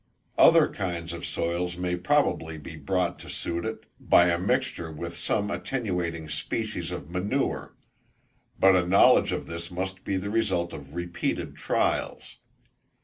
Other kinds of soils may probably be brought to suit it, by a mixture with some attenuating species of manure, but a knowledge of this must be the result of repeated trials.